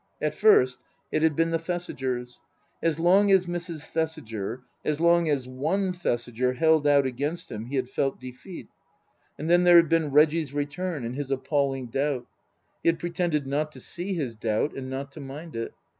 At first it had been the Thesigers. As long as Mrs. Thesiger as long as one Thesiger held out against him he had felt defeat. And then there had been Reggie's return and his appalling doubt. He had pretended not to see his doubt and not to mind it.